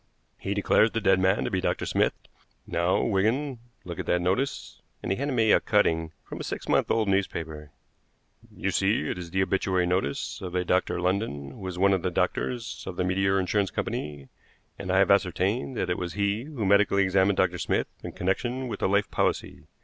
He declares the dead man to be Dr. Smith. Now, Wigan, look at that notice," and he handed me a cutting from a six months old newspaper. "You see it is the obituary notice of a Dr. London, who was one of the doctors of the Meteor Insurance Company, and I have ascertained that it was he who medically examined Dr. Smith in connection with the life policy.